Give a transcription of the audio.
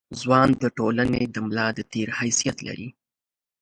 ځوان د ټولنې د ملا د تیر حیثیت لري.